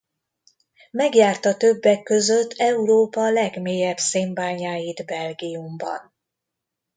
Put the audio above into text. Megjárta többek között Európa legmélyebb szénbányáit Belgiumban.